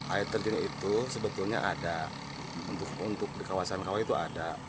air terjun itu sebetulnya ada untuk di kawasan kawah itu ada